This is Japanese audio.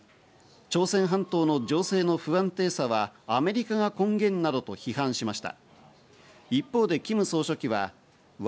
朝鮮半島の情勢の不安定さはアメリカが根源などと批判しました。